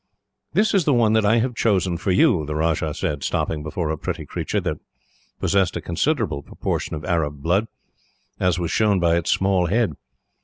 "This is the one that I have chosen for you," the Rajah said, stopping before a pretty creature, that possessed a considerable proportion of Arab blood, as was shown by its small head.